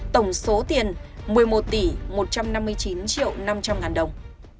tổng số tiền một mươi một tỷ một trăm năm mươi chín triệu năm trăm linh ngàn đồng